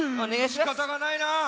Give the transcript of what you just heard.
しかたがないなあ。